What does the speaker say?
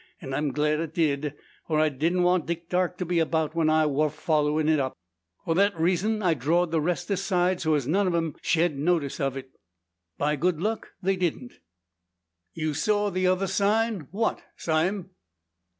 An' I'm gled it did: for I didn't want Dick Darke to be about when I war follerin' it up. For that reezun I drawed the rest aside so as none o' 'em shed notice it. By good luck they didn't." "You saw other sign! What, Sime?"